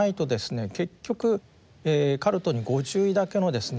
結局カルトにご注意だけのですね